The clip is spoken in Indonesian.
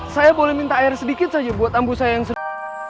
saya boleh minta air sedikit saja buat ampu saya yang sedang